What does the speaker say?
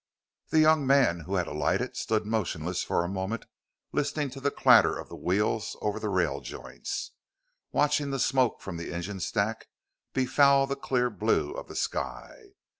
The young man who had alighted stood motionless for a moment, listening to the clatter of the wheels over the rail joints, watching the smoke from the engine stack befoul the clear blue of the sky.